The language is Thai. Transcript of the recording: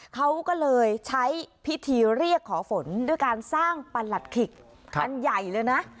เขาก็เลยใช้พิธีเรียกขอฝนด้วยการสร้างประหลัดขิกอันใหญ่เลยนะ